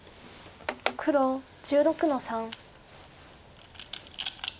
黒１６の三。